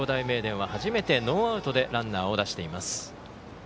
愛工大名電は初めてノーアウトでランナーを出しています。